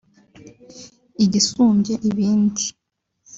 Igisumbye ibindi